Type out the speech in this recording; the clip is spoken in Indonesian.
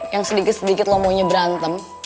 yang sedikit sedikit lo maunya berantem